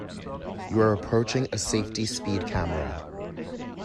You are approaching a safety speed camera.